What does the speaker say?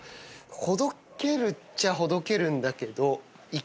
ほどけるっちゃほどけるんだけど。